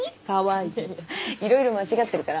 いやいやいろいろ間違ってるから。